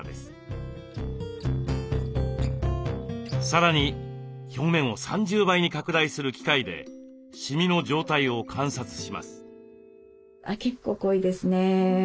さらに表面を３０倍に拡大する機械でシミの状態を観察します。